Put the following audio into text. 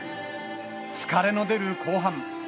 疲れの出る後半。